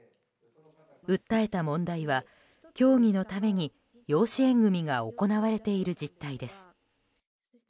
訴えた問題は、教義のために養子縁組が行われている実態です。